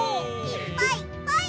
いっぱいいっぱい！